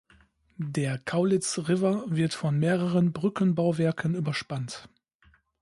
Der Cowlitz River wird von mehreren Brückenbauwerken überspannt.